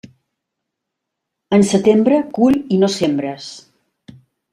En setembre cull i no sembres.